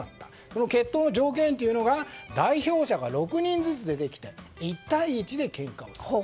この決闘の条件というのが代表者が６人ずつ出てきて１対１でけんかをする。